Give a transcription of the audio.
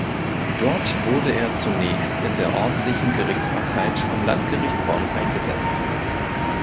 Dort wurde er zunächst in der ordentlichen Gerichtsbarkeit am Landgericht Bonn eingesetzt.